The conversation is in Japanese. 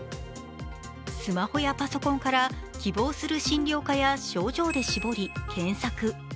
スマホやパソコンから希望する診療科や症状で絞り検索。